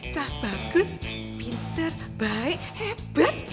cah bagus pinter baik hebat